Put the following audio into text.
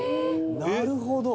なるほど」